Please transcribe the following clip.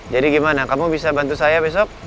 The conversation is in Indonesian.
jadi gimana kamu bisa bantu saya besok